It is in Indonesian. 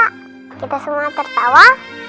kita semua tertawa